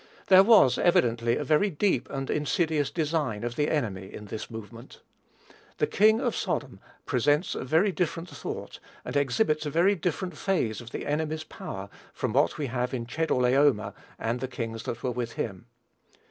There was, evidently, a very deep and insidious design of the enemy in this movement. "The king of Sodom" presents a very different thought, and exhibits a very different phase of the enemy's power, from what we have in "Chedorlaomer and the kings that were with him."